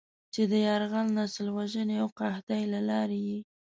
چې د "يرغل، نسل وژنې او قحطۍ" له لارې یې